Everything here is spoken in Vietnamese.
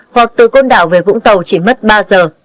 hoặc từ côn đảo về vũng tàu chỉ mất ba giờ